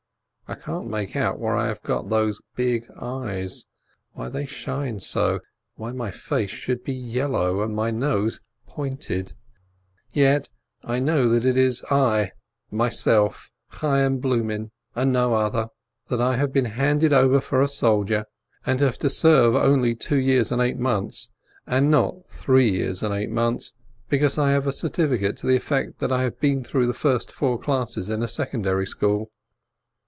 I can't make out where I got those big eyes, why they shine so, why my face should be yellow, and my nose, pointed. And yet I know that it is I myself, Chayyim Blumin, and no other; that I have been handed over for a sol dier, and have to serve only two years and eight months, and not three years and eight months, because I have a certificate to the effect that I have been through the first four classes in a secondary school.